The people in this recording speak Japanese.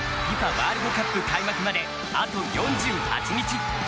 ワールドカップ開幕まであと４８日。